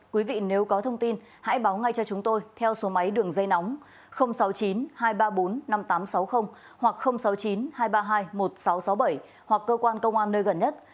quý vị nếu có thông tin hãy báo ngay cho chúng tôi theo số máy đường dây nóng sáu mươi chín hai trăm ba mươi bốn năm nghìn tám trăm sáu mươi hoặc sáu mươi chín hai trăm ba mươi hai một nghìn sáu trăm sáu mươi bảy hoặc cơ quan công an nơi gần nhất